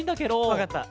わかった！